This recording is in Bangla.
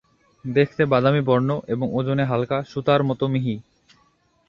দেখতে বাদামী বর্ণ এবং ওজনে হালকা, সুতার মতো মিহি।